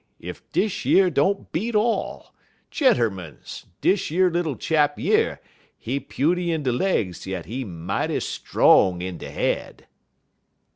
well! ef dish yer don't beat all! Gentermens! dish yer little chap yer, he puny in de legs, yit he mighty strong in de head."